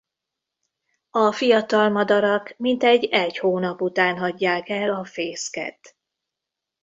A fiatal madarak mintegy egy hónap után hagyják el a fészket.